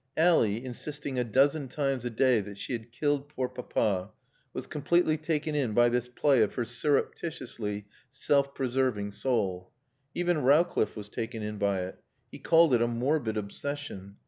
Ally, insisting a dozen times a day that she had killed poor Papa, was completely taken in by this play of her surreptitiously self preserving soul. Even Rowcliffe was taken in by it. He called it a morbid obsession.